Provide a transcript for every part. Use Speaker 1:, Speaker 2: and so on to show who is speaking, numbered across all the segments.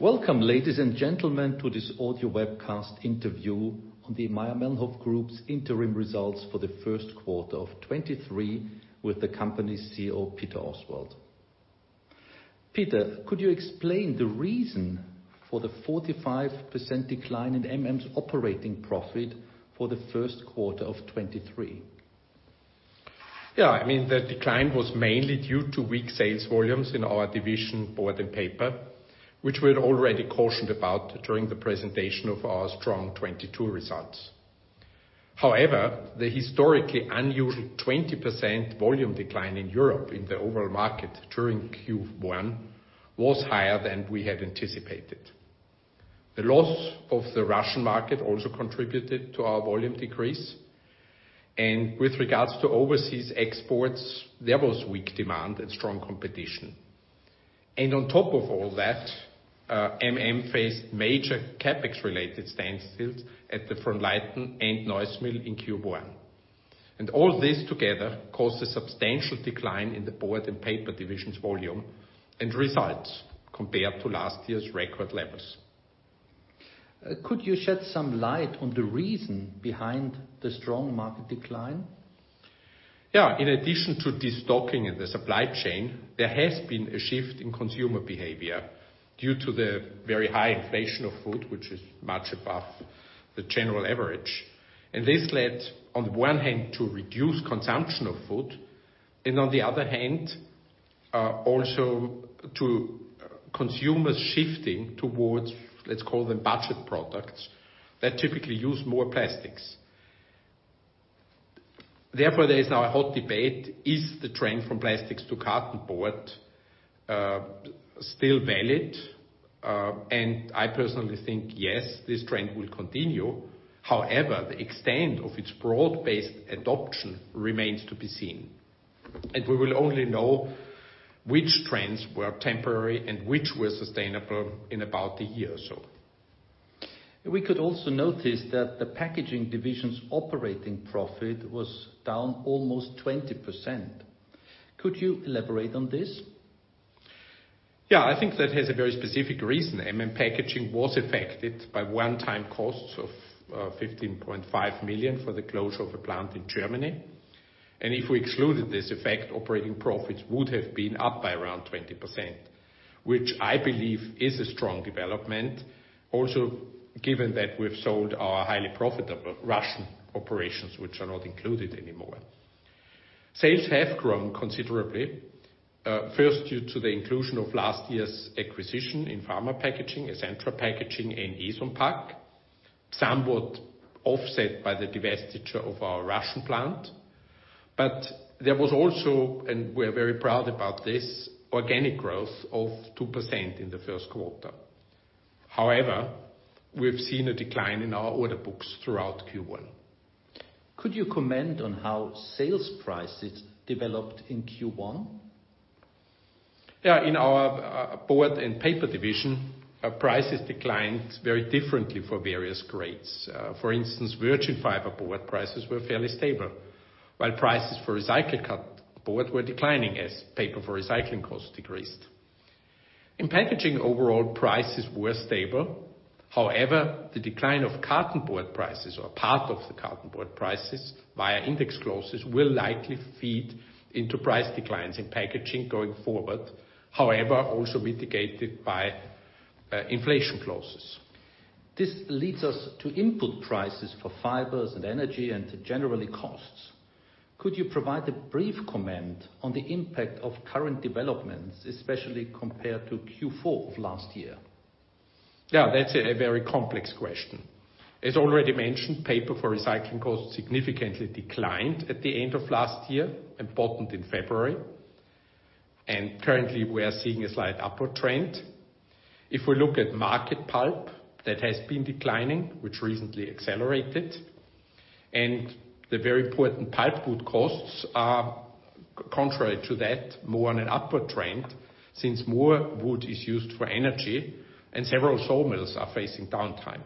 Speaker 1: Welcome, ladies and gentlemen, to this audio webcast interview on the Mayr-Melnhof Group's interim results for the Q1 of 2023, with the company CEO, Peter Oswald. Peter, could you explain the reason for the 45% decline in MM's operating profit for the Q1 of 2023?
Speaker 2: Yeah, I mean, the decline was mainly due to weak sales volumes in our division Board & Paper, which we had already cautioned about during the presentation of our strong 2022 results. However the historically unusual 20% volume decline in Europe in the overall market during Q1 was higher than we had anticipated. The loss of the Russian market also contributed to our volume decrease. With regards to overseas exports, there was weak demand and strong competition. On top of all that MM faced major CapEx-related standstills at the Frohnleiten and Neuss mill in Q1. All this together caused a substantial decline in the Board & Paper division's volume and results compared to last year's record levels.
Speaker 1: Could you shed some light on the reason behind the strong market decline?
Speaker 2: Yeah. In addition to destocking in the supply chain, there has been a shift in consumer behavior due to the very high inflation of food, which is much above the general average. This led on one hand to reduced consumption of food and on the other hand, also to consumers shifting towards, let's call them budget products that typically use more plastics. Therefore, there is now a hot debate, is the trend from plastics to cartonboard, still valid? I personally think, yes, this trend will continue. However, the extent of its broad-based adoption remains to be seen, and we will only know which trends were temporary and which were sustainable in about a year or so.
Speaker 1: We could also notice that the packaging division's operating profit was down almost 20%. Could you elaborate on this?
Speaker 2: Yeah, I think that has a very specific reason. MM Packaging was affected by one-time costs of 15.5 million for the closure of a plant in Germany. If we excluded this effect, operating profits would have been up by around 20%, which I believe is a strong development. Also, given that we've sold our highly profitable Russian operations, which are not included anymore. Sales have grown considerably, first due to the inclusion of last year's acquisition in pharma packaging, Essentra Packaging and Eson Pac, somewhat offset by the divestiture of our Russian plant. There was also, and we're very proud about this, organic growth of 2% in the Q1. However, we've seen a decline in our order books throughout Q1.
Speaker 1: Could you comment on how sales prices developed in Q1?
Speaker 2: In our Board and Paper Division, our prices declined very differently for various grades. For instance, virgin fiber board prices were fairly stable, while prices for recycled cartonboard were declining as paper for recycling costs decreased. In packaging, overall prices were stable. However, the decline of cartonboard prices or part of the cartonboard prices via index clauses will likely feed into price declines in packaging going forward. However, also mitigated by inflation clauses.
Speaker 1: This leads us to input prices for fibers and energy and generally costs. Could you provide a brief comment on the impact of current developments, especially compared to Q4 of last year?
Speaker 2: Yeah, that's a very complex question. As already mentioned, paper for recycling costs significantly declined at the end of last year, important in February. Currently, we are seeing a slight upward trend. If we look at market pulp, that has been declining, which recently accelerated. The very important pulpwood costs are, contrary to that, more on an upward trend, since more wood is used for energy and several sawmills are facing downtime.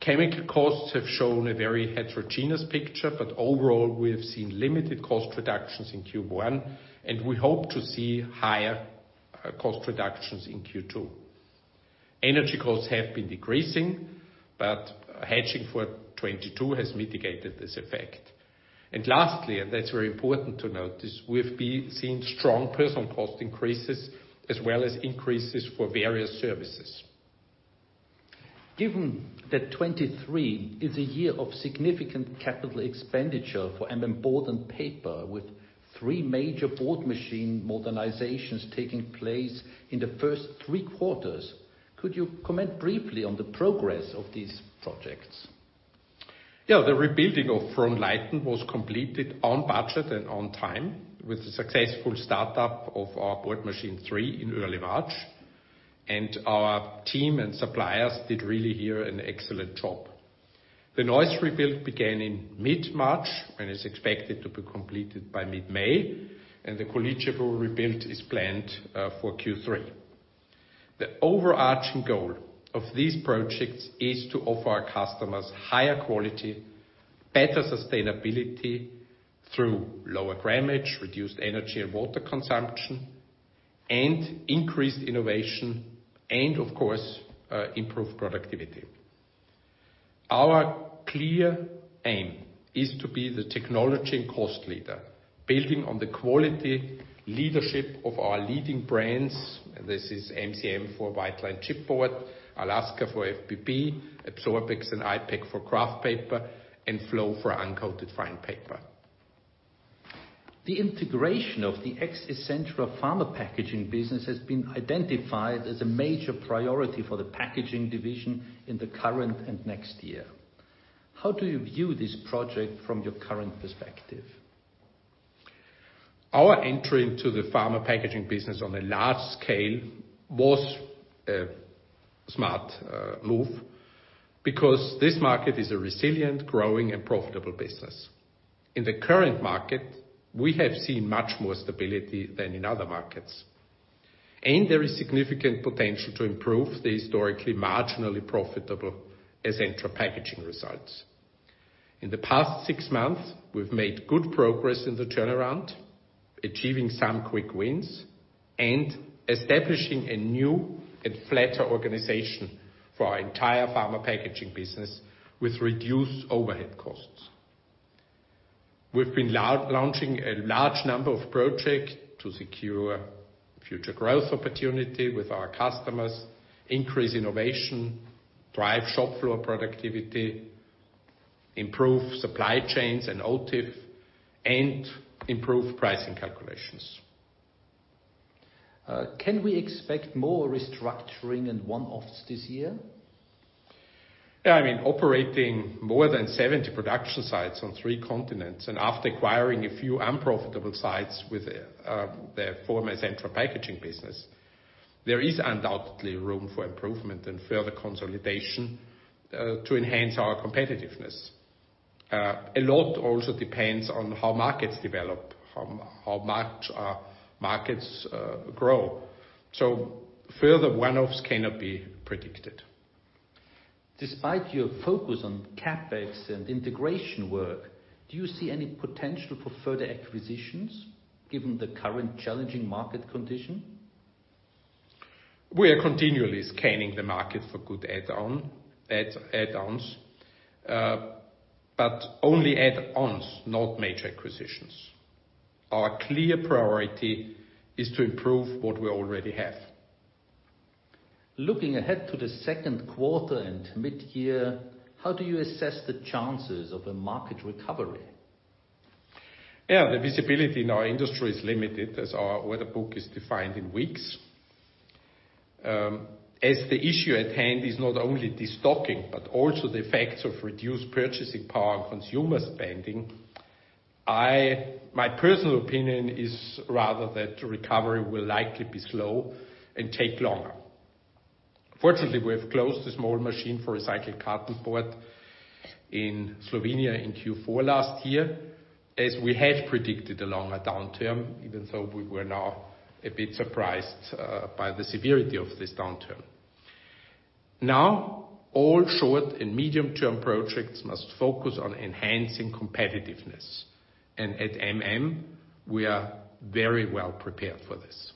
Speaker 2: Chemical costs have shown a very heterogeneous picture. Overall, we have seen limited cost reductions in Q1. We hope to see higher cost reductions in Q2. Energy costs have been decreasing. Hedging for 22 has mitigated this effect. Lastly, that's very important to note, is we have been seeing strong personal cost increases as well as increases for various services.
Speaker 1: Given that 2023 is a year of significant CapEx for MM Board & Paper, with 3 major board machine modernizations taking place in the first 3 quarters, could you comment briefly on the progress of these projects?
Speaker 2: Yeah, the rebuilding of Frohnleiten was completed on budget and on time with the successful startup of our Board Machine 3 in early March. Our team and suppliers did really here an excellent job. The Neuss rebuild began in mid-March and is expected to be completed by mid-May. The Količevo rebuild is planned for Q3. The overarching goal of these projects is to offer our customers higher qualityBetter sustainability through lower grammage, reduced energy and water consumption, and increased innovation and of course, improved productivity. Our clear aim is to be the technology and cost leader, building on the quality leadership of our leading brands. This is MCM for White Lined Chipboard, ALASKA for FBB, Absorbex and IPAC for kraft paper, and Flow for uncoated fine paper.
Speaker 1: The integration of the ex Essentra pharma packaging business has been identified as a major priority for the packaging division in the current and next year. How do you view this project from your current perspective?
Speaker 2: Our entry into the pharma packaging business on a large scale was a smart move because this market is a resilient, growing, and profitable business. In the current market, we have seen much more stability than in other markets, and there is significant potential to improve the historically marginally profitable Essentra Packaging results. In the past six months, we've made good progress in the turnaround, achieving some quick wins, and establishing a new and flatter organization for our entire pharma packaging business with reduced overhead costs. We've been launching a large number of projects to secure future growth opportunity with our customers, increase innovation, drive shop floor productivity, improve supply chains and OTIF, and improve pricing calculations.
Speaker 1: Can we expect more restructuring and one-offs this year?
Speaker 2: I mean, operating more than 70 production sites on 3 continents, after acquiring a few unprofitable sites with the former Essentra Packaging business, there is undoubtedly room for improvement and further consolidation to enhance our competitiveness. A lot also depends on how markets develop, how much our markets grow. Further one-offs cannot be predicted.
Speaker 1: Despite your focus on CapEx and integration work, do you see any potential for further acquisitions given the current challenging market condition?
Speaker 2: We are continually scanning the market for good add-on, add-ons. Only add-ons, not major acquisitions. Our clear priority is to improve what we already have.
Speaker 1: Looking ahead to the Q2 and mid-year, how do you assess the chances of a market recovery?
Speaker 2: Yeah. The visibility in our industry is limited as our order book is defined in weeks. As the issue at hand is not only destocking, but also the effects of reduced purchasing power on consumer spending, My personal opinion is rather that recovery will likely be slow and take longer. Fortunately, we have closed the small machine for recycled cartonboard in Slovenia in Q4 last year, as we have predicted a longer downturn, even though we were now a bit surprised by the severity of this downturn. Now, all short and medium term projects must focus on enhancing competitiveness. At MM, we are very well prepared for this.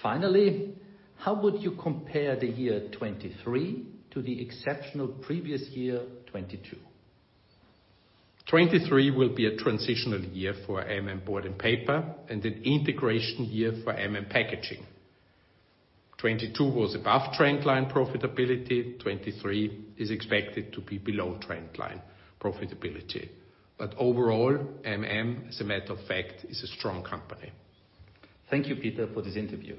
Speaker 1: Finally, how would you compare the year 2023 to the exceptional previous year 2022?
Speaker 2: 2023 will be a transitional year for MM Board & Paper and an integration year for MM Packaging. 2022 was above trend line profitability. 2023 is expected to be below trend line profitability. Overall, MM, as a matter of fact, is a strong company.
Speaker 1: Thank you, Peter, for this interview.